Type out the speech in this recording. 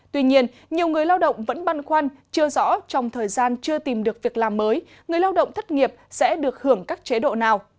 tuy nhiên nhiều người lao động vẫn băn khoăn chưa rõ trong thời gian chưa tìm được việc làm mới người lao động thất nghiệp sẽ được hưởng các chế độ nào